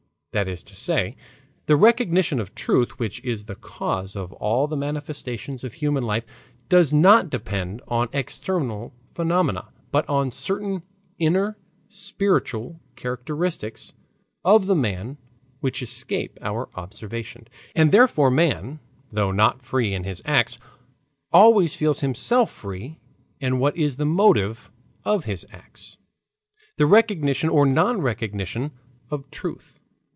That is to say, the recognition of truth, which is the cause of all the manifestations of human life, does not depend on external phenomena, but on certain inner spiritual characteristics of the man which escape our observation. And therefore man, though not free in his acts, always feels himself free in what is the motive of his acts the recognition or non recognition of truth.